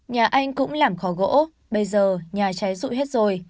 nhà anh cũng làm khó gỗ bây giờ nhà cháy rụi hết rồi